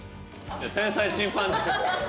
天才チンパンジー。